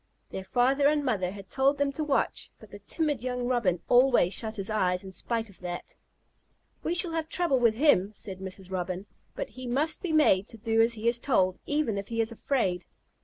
Their father and mother had told them to watch, but the timid young Robin always shut his eyes in spite of that. "We shall have trouble with him," said Mrs. Robin, "but he must be made to do as he is told, even if he is afraid."